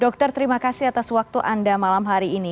dokter terima kasih atas waktu anda malam hari ini